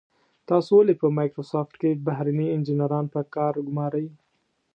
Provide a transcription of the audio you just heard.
تاسو ولې په مایکروسافټ کې بهرني انجنیران په کار ګمارئ.